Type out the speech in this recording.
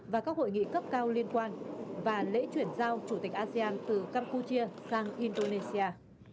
và các hội nghị cấp cao liên quan và lễ chuyển giao chủ tịch asean từ campuchia sang indonesia